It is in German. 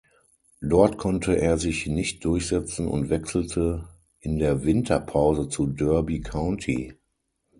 Dort konnte er sich nicht durchsetzen und wechselte in der Winterpause zu Derby County.